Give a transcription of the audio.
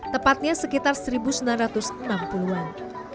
tepatnya sekitar seribu sembilan ratus enam puluh an